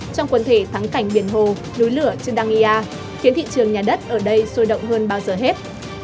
trong quần thể thắng cảnh biển hồ núi lửa tandanglia khiến thị trường nhà đất ở đây sôi động hơn bao giờ hết